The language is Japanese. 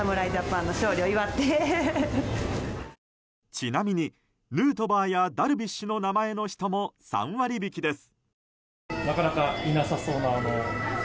ちなみにヌートバーやダルビッシュの名前の人も３割引きです。